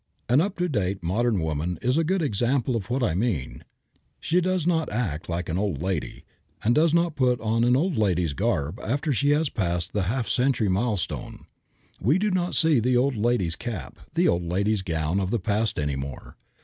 An up to date modern woman is a good example of what I mean. She does not act like an old lady, and does not put on an old lady's garb after she has passed the half century milestone. We do not see the old lady's cap, the old lady's gown of the past any more.